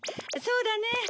そうだね。